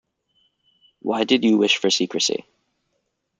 Why did you wish for secrecy?